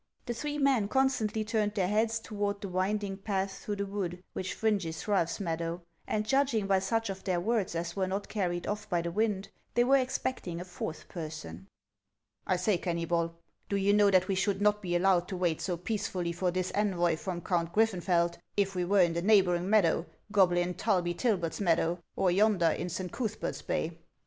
The three men constantly turned their heads toward the winding path through the wood which fringes Ralph's meadow, and judging by such of their words as were not carried off by the wind, they were expecting a fourth person. " I say, Kennybol, do you know that we should not be allowed to wait so peacefully for this envoy from Count Griffenfeld, if we were in the neighboring meadow, Goblin Tulbytilbet's meadow, or yonder in St. Cuthbert's bay?"